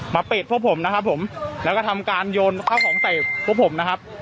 เป็ดพวกผมนะครับผมแล้วก็ทำการโยนข้าวของใส่พวกผมนะครับ